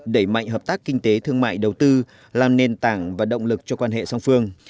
đẩy mạnh hợp tác kinh tế thương mại đầu tư làm nền tảng và động lực cho quan hệ song phương